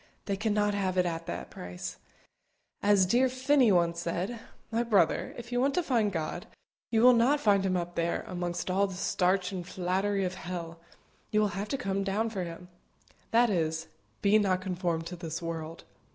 They cannot have it at that price. As dear Finney once said, "My brother, if you want to find God, you will not find Him up there, amongst all the starch and flattery of hell; you will have to come down for Him." That is it "Be not conformed to this world."